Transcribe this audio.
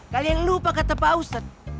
kalian lupa kata pak ustadz